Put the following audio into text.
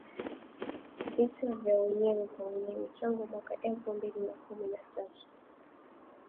vita vya wenyewe kwa wenyewe tangu mwaka elfu mbili na kumi na tatu